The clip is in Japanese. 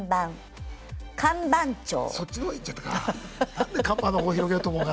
そっちの方行っちゃったか。